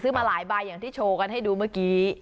มาหลายใบอย่างที่โชว์กันให้ดูเมื่อกี้